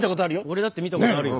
俺だって見たことあるよ。